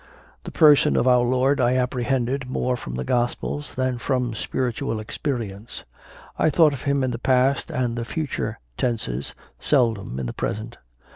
The Person of Our Lord I apprehended more from the Gospels than from spiritual experience; I thought of Him in the past and the future tenses, seldom in the present.